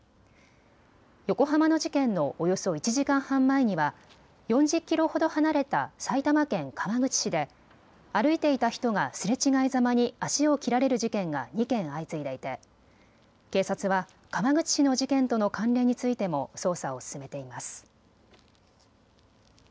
横浜の事件のおよそ１時間半前には４０キロほど離れた埼玉県川口市で歩いていた人がすれ違いざまに足を切られる事件が２件相次いでいて警察は川口市の事件との関連についても捜査を進めています。